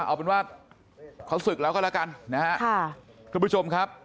เอาเป็นว่าเขาศึกแล้วก็แล้วกันนะฮะค่ะทุกผู้ชมครับ